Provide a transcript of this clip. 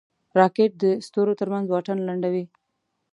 راکټ د ستورو ترمنځ واټن لنډوي